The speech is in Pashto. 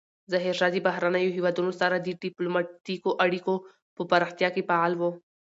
ظاهرشاه د بهرنیو هیوادونو سره د ډیپلوماتیکو اړیکو په پراختیا کې فعال و.